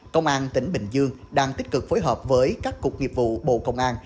công an tỉnh bình dương đang tích cực phối hợp với các cục nghiệp vụ bộ công an